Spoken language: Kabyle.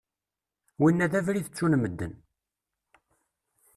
Winna d abrid ttun medden.